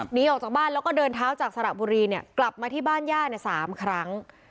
หนีออกจากบ้านแล้วก็เดินเท้าจากสระบุรีเนี่ยกลับมาที่บ้านย่า๓ครั้ง